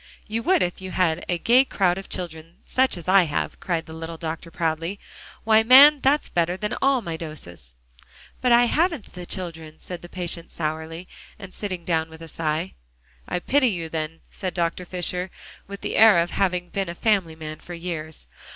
"You would if you had a gay crowd of children such as I have," cried the little doctor proudly. "Why, man, that's better than all my doses." "But I haven't the children," said the patient sourly, and sitting down with a sigh. "I pity you, then," said Dr. Fisher, with the air of having been a family man for years.